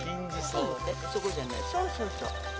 そうそうそう。